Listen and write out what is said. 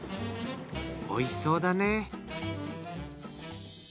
おいしそうだね。